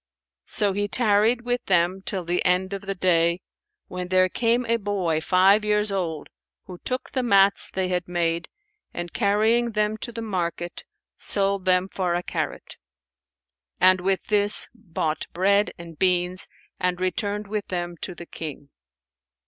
So he tarried with them till the end of the day, when there came a boy five years old who took the mats they had made and carrying them to the market, sold them for a carat;[FN#484] and with this bought bread and beans and returned with them to the King.